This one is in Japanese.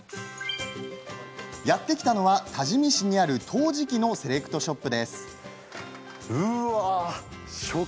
やって来たのは多治見市にある陶磁器のセレクトショップです。